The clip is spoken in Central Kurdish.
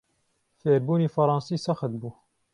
فێربوونی فەڕەنسی سەخت بوو.